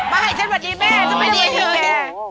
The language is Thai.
มาให้ฉันสวัสดีแม่สวัสดีค่ะ